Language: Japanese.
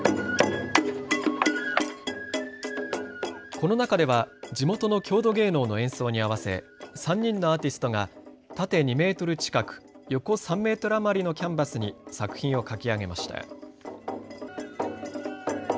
この中では地元の郷土芸能の演奏に合わせ３人のアーティストが縦２メートル近く、横３メートル余りのキャンバスに作品を描き上げました。